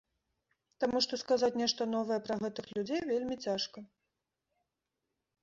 Таму што сказаць нешта новае пра гэтых людзей вельмі цяжка.